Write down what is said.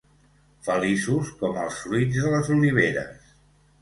Feliços com els fruits de les oliveres.